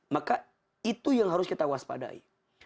maka itu yang harus kita waspadai